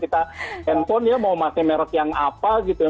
kita handphone ya mau pakai merek yang apa gitu ya